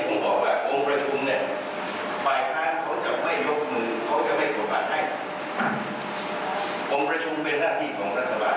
ผมพระชมเป็นหน้าทีประชาชน